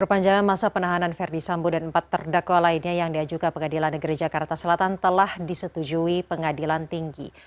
perpanjangan masa penahanan verdi sambo dan empat terdakwa lainnya yang diajukan pengadilan negeri jakarta selatan telah disetujui pengadilan tinggi